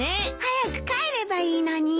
早く帰ればいいのに。